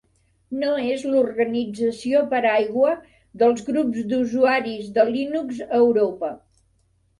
No és l'organització paraigua dels Grups d'Usuaris de Linux a Europa.